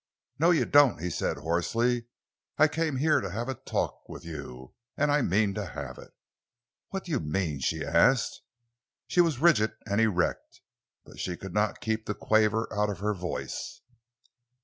"No, you don't," he said, hoarsely; "I came here to have a talk with you, and I mean to have it!" "What do you mean?" she asked. She was rigid and erect, but she could not keep the quaver out of her voice.